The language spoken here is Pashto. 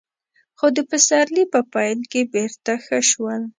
خو د پسرلي په پيل کې بېرته ښه شول.